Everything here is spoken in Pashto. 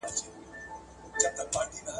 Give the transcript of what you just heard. په روغتونونو کي باید درملنه وسي.